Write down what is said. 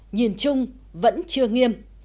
nhìn chung vẫn chưa nghiêm